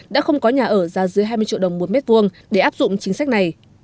đã không có nhà ở giá dưới hai mươi triệu đồng một mét vuông để áp dụng chính sách này